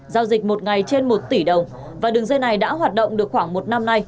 giao dịch một ngày trên một tỷ đồng và đường dây này đã hoạt động được khoảng một năm nay